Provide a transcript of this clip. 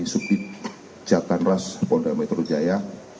subjatan ras pondametro jaya